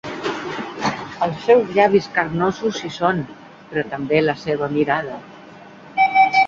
Els seus llavis carnosos hi són, però també la seva mirada.